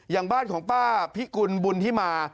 อย่างบ้านของป้าพิกุลบุญที่มา